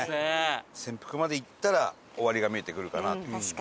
千福まで行ったら終わりが見えてくるかなっていう。